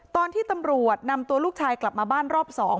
ตอนที่ตำรวจนำตัวลูกชายกลับมาบ้านรอบ๒